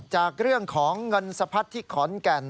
จากเรื่องของเงินสะพัดที่ขอนแก่น